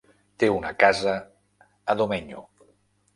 Té una casa a Domenyo.